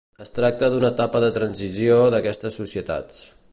Es tracta d'una etapa de transició d'aquestes societats.